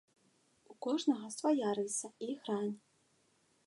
У кожнага свая рыса і грань.